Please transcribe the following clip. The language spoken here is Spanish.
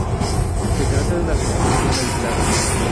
Se trata de una construcción aislada.